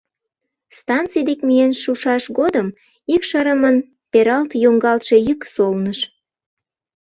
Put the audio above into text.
Станций дек миен шушаш годым икшырымын пералт йоҥгалтше йӱк солныш.